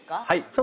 はい。